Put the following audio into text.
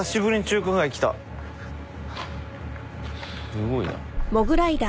すごいな。